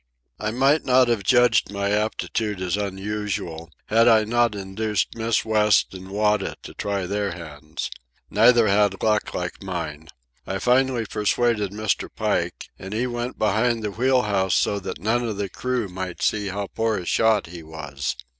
I might not have judged my aptitude as unusual, had I not induced Miss West and Wada to try their hands. Neither had luck like mine. I finally persuaded Mr. Pike, and he went behind the wheel house so that none of the crew might see how poor a shot he was.